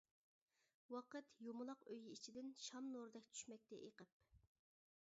ۋاقىت يۇمىلاق ئۆيى ئىچىدىن، شام نۇرىدەك چۈشمەكتە ئېقىپ.